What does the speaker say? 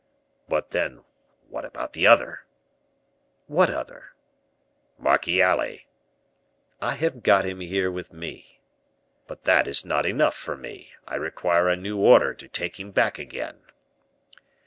"But then, what about the other?" "What other?" "Marchiali." "I have got him here with me." "But that is not enough for me. I require a new order to take him back again."